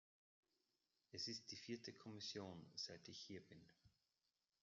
Es ist die vierte Kommission, seit ich hier bin.